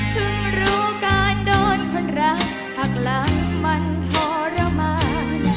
รู้การโดนคนรักหักหลังมันทรมาน